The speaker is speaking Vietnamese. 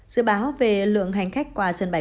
dự báo về lượng hành khách qua sân bay